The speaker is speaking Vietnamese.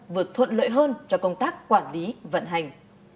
vừa thuận lợi hơn cho công tác quản lý vận hành